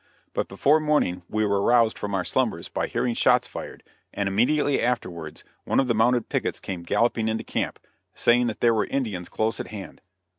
But before morning we were roused from our slumbers by hearing shots fired, and immediately afterwards one of the mounted pickets came galloping into camp, saying that there were Indians close at hand.